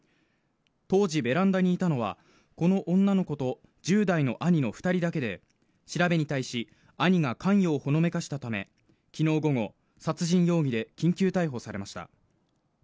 当時ベランダにいたのはこの女の子と１０代の兄の二人だけで調べに対し兄が関与をほのめかしたため昨日午後、殺人容疑で緊急逮捕されました